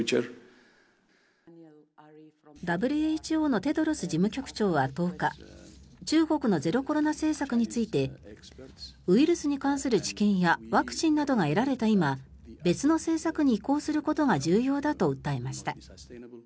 ＷＨＯのテドロス事務局長は１０日中国のゼロコロナ政策についてウイルスに関する知見やワクチンなどが得られた今別の政策に移行することが重要だと訴えました。